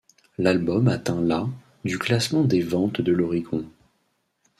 L'album atteint la du classement des ventes de l'Oricon.